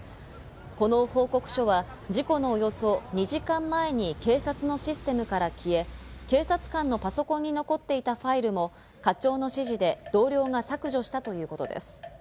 この報告書は事故のおよそ２時間前に警察のシステムから消え、警察官のパソコンに残っていたファイルも課長の指示で同僚が削除したということです。